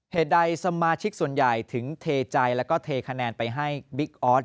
เหตุใดสมาชิกส่วนใหญ่ถึงเทใจแล้วก็เทคะแนนไปให้บิ๊กออส